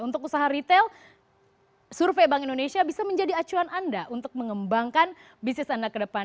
untuk usaha retail survei bank indonesia bisa menjadi acuan anda untuk mengembangkan bisnis anda ke depan